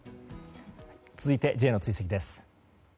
続いてＪの追跡です。